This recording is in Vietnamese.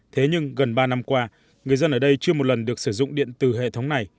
thế nhưng gần ba năm qua người dân ở đây chưa một lần được sử dụng điện từ hệ thống này